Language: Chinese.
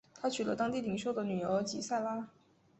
他娶了当地领袖的女儿吉塞拉。